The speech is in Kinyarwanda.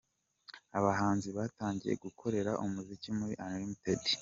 Abahanzi batangiye gukorera umuziki muri Unlimited.